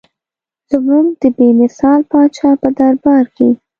زموږ د بې مثال پاچا په دربار کې.